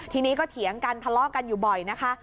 ทีนี้ก็เถียงกันทะเลาะกันอยู่บ่อยนะคะ